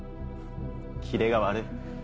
キレが悪い。